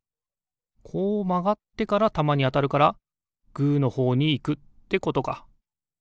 こうまがってからたまにあたるからグーのほうにいくってことか。